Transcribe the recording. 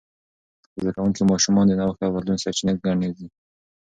زده کوونکي ماشومان د نوښت او بدلون سرچینه ګرځي.